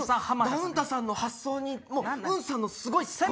ダウンタさんの発想にウンさんのすごいツッコミ。